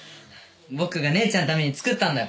僕が姉ちゃんのために作ったんだよ